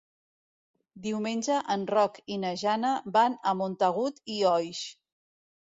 Diumenge en Roc i na Jana van a Montagut i Oix.